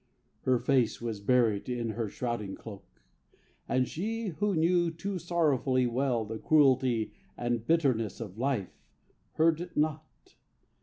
Her face was buried in her shrouding cloak. And she who knew too sorrowfully well The cruelty and bitterness of life Heard not.